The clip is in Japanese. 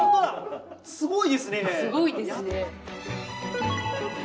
すごいですね！